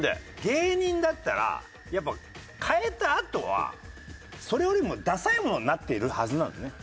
芸人だったらやっぱ変えたあとはそれよりもダサいものになっているはずなのね。